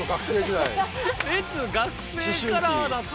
烈学生カラーだった。